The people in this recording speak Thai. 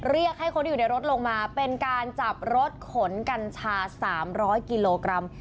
เรียกให้คนที่อยู่ในรถลงมาเป็นการจับรถขนกัญชา๓๐๐กิโลกรัม